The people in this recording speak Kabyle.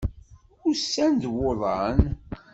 Ussan d wuḍan.